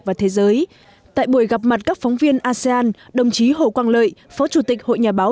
và thế giới tại buổi gặp mặt các phóng viên asean đồng chí hồ quang lợi phó chủ tịch hội nhà báo